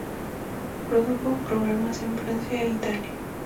Produjo programas en Francia e Italia.